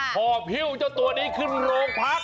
ห่อหิ้วเจ้าตัวนี้ขึ้นโรงพัก